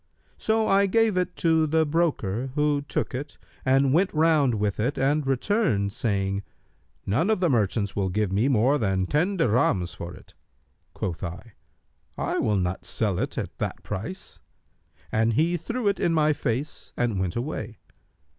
So I gave it to the broker who took it and went round with it and returned, saying, 'None of the merchants will give me more than ten dirhams for it.' Quoth I, 'I will not sell it at that price;' and he threw it in my face and went away.